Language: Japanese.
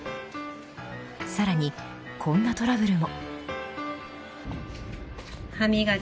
さらに、こんなトラブルも。